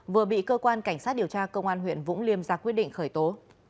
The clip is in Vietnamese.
vừa bị cơ quan cảnh sát điều tra công an huyện vũng liêm ra quyết định khởi tố